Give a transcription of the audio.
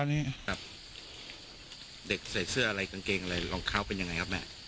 เด็กใส่เสื้ออะไรกางเกงอะไรหรือรองเท้าเป็นอย่างไรครับแม่